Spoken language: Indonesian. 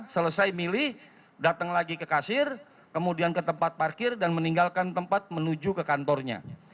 selesai milih datang lagi ke kasir kemudian ke tempat parkir dan meninggalkan tempat menuju ke kantornya